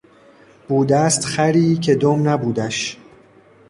بودست خری که دم نبودش...